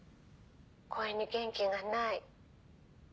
声に元気がない。